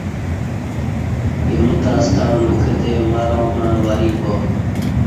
ایمو تہ ستݩع مکہ تے وراں مع وریک با